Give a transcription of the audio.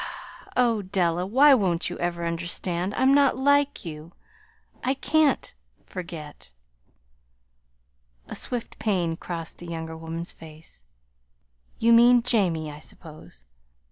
"Oh, Della, why won't you ever understand? I'm not like you. I can't forget." A swift pain crossed the younger woman's face. "You mean Jamie, I suppose.